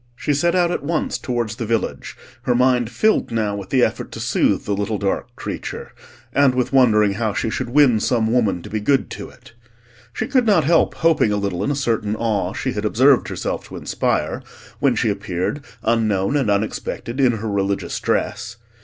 She set out at once towards the village, her mind filled now with the effort to soothe the little dark creature, and with wondering how she should win some woman to be good to it. She could not help hoping a little in a certain awe she had observed herself to inspire, when she appeared, unknown and unexpected, in her religious dress.